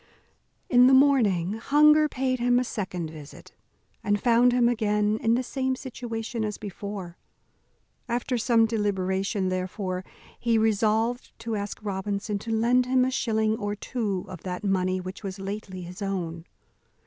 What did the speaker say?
In the morning hunger paid him a second visit, and found him again in the same situation as before. After some deliberation, therefore, he resolved to ask Robinson to lend him a shilling or two of that money which was lately his own.